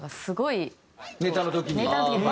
ネタの時に？